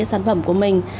sản phẩm của mình